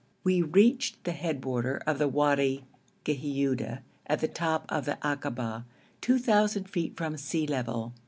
We reached the headwater of the Wadi Ghiuda at the top of the akaba, 2,000 feet from sea level.